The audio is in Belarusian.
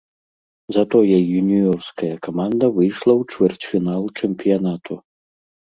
Затое юніёрская каманда выйшла ў чвэрцьфінал чэмпіянату.